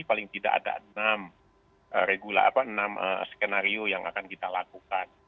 paling tidak ada enam skenario yang akan kita lakukan